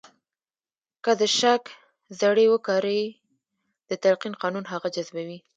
که د شک زړي وکرئ د تلقین قانون هغه جذبوي